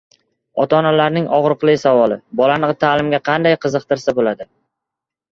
Ota-onalarning og‘riqli savoli: bolani ta’limga qanday qiziqtirsa bo‘ladi?